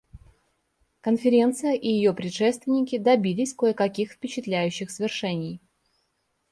Конференция и ее предшественники добились кое-каких впечатляющих свершений.